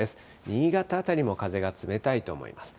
新潟辺りも風が冷たいと思います。